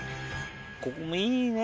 ここもいいね。